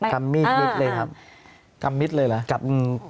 กลับมีดเลยครับ